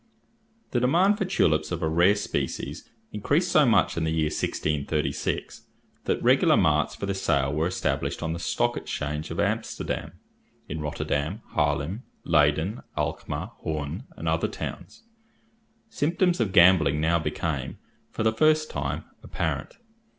The demand for tulips of a rare species increased so much in the year 1636, that regular marts for their sale were established on the Stock Exchange of Amsterdam, in Rotterdam, Harlaem, Leyden, Alkmar, Hoorn, and other towns. Symptoms of gambling now became, for the first time, apparent.